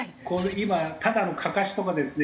今ただのかかしとかですね